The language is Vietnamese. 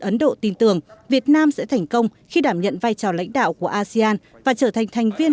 ấn độ tin tưởng việt nam sẽ thành công khi đảm nhận vai trò lãnh đạo của asean và trở thành thành viên